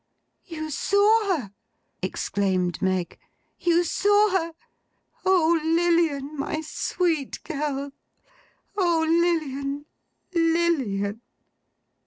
'You saw her!' exclaimed Meg. 'You saw her! O, Lilian, my sweet girl! O, Lilian, Lilian!